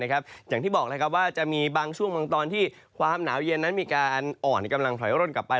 อย่างที่บอกว่าจะมีบางช่วงบางตอนที่ความหนาวเย็นนั้นมีการอ่อนกำลังถอยร่นกลับไป